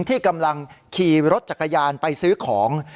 ที่กำลังขี่รถจักรยานไปซื้อของ